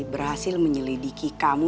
berhasil menyelidiki kamu